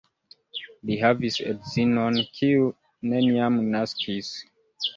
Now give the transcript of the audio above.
Li havis edzinon, kiu neniam naskis.